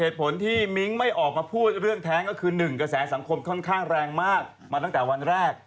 เหตุผลที่มิ้งไม่ออกมาพูดเรื่องแท้งก็คือ๑กระแสสังคมค่อนข้างแรงมากมาตั้งแต่วันแรก